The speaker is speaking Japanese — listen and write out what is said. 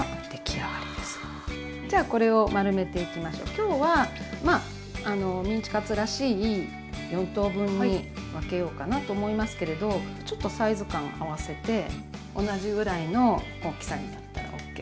今日はまあメンチカツらしい４等分に分けようかなと思いますけれどちょっとサイズ感合わせて同じぐらいの大きさになったらＯＫです。